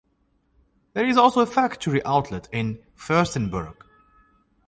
There is also a factory outlet in Fürstenberg.